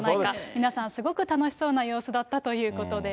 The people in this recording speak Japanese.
皆さん、すごく楽しそうな様子だったということです。